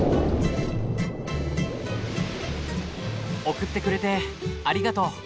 送ってくれてありがとう。